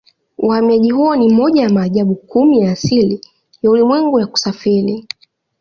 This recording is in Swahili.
Uhamiaji huo ni moja ya maajabu kumi ya asili ya ulimwengu ya kusafiri.